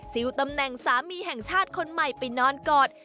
ตำแหน่งสามีแห่งชาติคนใหม่ไปนอนกอด